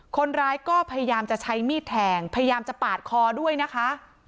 คนร้ายก็พยายามจะใช้มีดแทงพยายามจะปาดคอด้วยนะคะ